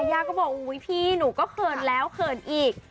ย่าก็บอกอุ๊ยพี่หนูก็เขินแล้วเขินอีก